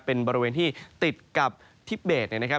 ในแต่ละพื้นที่เดี๋ยวเราไปดูกันนะครับ